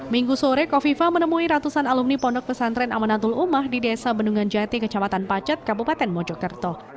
minggu sore kofifa menemui ratusan alumni pondok pesantren amanatul umah di desa bendungan jati kecamatan pacet kabupaten mojokerto